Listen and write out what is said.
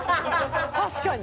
確かに。